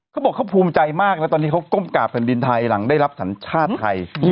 เขาบอกเขาภูมิใจมากนะตอนนี้เขาก้มกราบแผ่นดินไทยหลังได้รับสัญชาติไทย